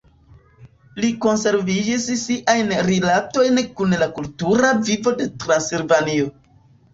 Li konservis siajn rilatojn kun la kultura vivo de Transilvanio.